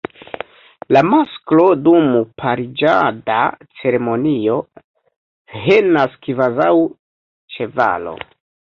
La masklo dum pariĝada ceremonio henas kvazaŭ ĉevalo.